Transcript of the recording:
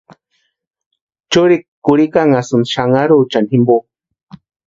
Churikwa kurhikanhasïnti xanaruchani jimpo.